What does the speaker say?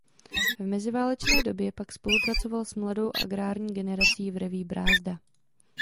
V meziválečné době pak spolupracoval s mladou agrární generací v revue "Brázda".